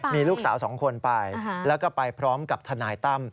มีลูกสาว๒คนไปแล้วก็ไปพร้อมกับทนายตั้ม